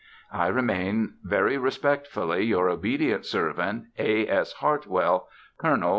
I remain, Very Respectfully, your obedient servant, A. S. Hartwell Col.